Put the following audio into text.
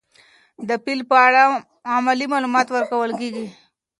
د فیل په اړه علمي معلومات ورکول کېږي.